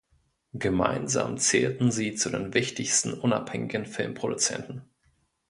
Gemeinsam zählten sie zu den wichtigsten unabhängigen Filmproduzenten.